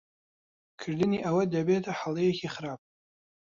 کردنی ئەوە دەبێتە ھەڵەیەکی خراپ.